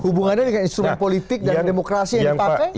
hubungannya dengan instrumen politik dan demokrasi yang dipakai